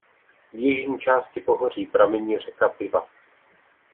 V jižní části pohoří pramení řeka Piva.